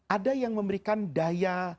ada yang memberikan daya